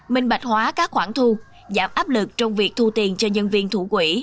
minh bạch hóa các khoản thu giảm áp lực trong việc thu tiền cho nhân viên thủ quỹ